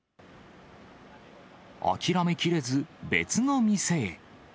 諦めきれず、別の店へ。